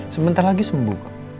sebentar lagi sembuh